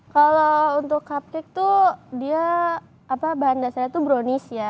kalau untuk cuplik tuh dia bahan dasarnya tuh brownies ya